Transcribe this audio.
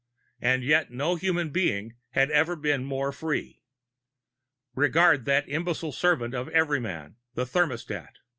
And yet no human being had ever been more free. Regard that imbecile servant of Everyman, the thermostat.